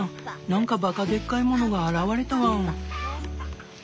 何かばかでっかいものが現れたワン！